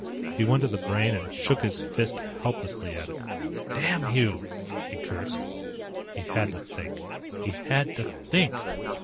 He went to the Brain and shook his fist helplessly at it. "Damn you!" he cursed. He had to think. He had to THINK!